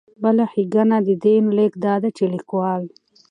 بله ښېګنه د دې يونليک دا ده چې ليکوال